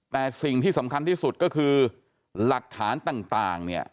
แต่สิ่งที่สำคัญที่สุดก็คือหลักฐานต่างเนี่ย